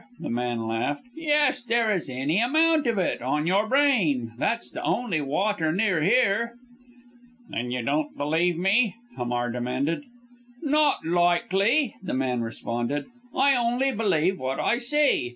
the man laughed, "yes, there is any amount of it on your brain, that's the only water near here." "Then you don't believe me?" Hamar demanded. "Not likely!" the man responded, "I only believe what I see!